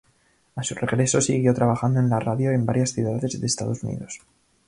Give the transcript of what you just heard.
A su regreso siguió trabajando en la radio en varias ciudades de Estados Unidos.